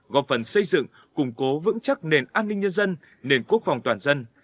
góp phần xây dựng củng cố vững chắc nền an ninh nhân dân nền quốc phòng toàn dân